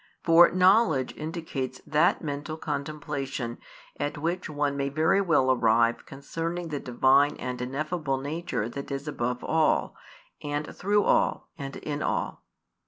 For knowledge indicates that mental contemplation at which one may very well arrive concerning the Divine and ineffable nature that is above all, and through all, and in all.